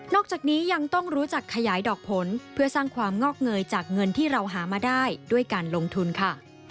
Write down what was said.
จากนี้ยังต้องรู้จักขยายดอกผลเพื่อสร้างความงอกเงยจากเงินที่เราหามาได้ด้วยการลงทุนค่ะ